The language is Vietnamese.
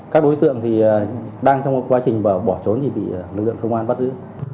các đối tượng thì đang trong quá trình bỏ trốn thì bị lực lượng công an bắt giữ